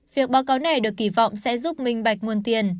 việc báo cáo này được kỳ vọng sẽ giúp minh bạch nguồn tiền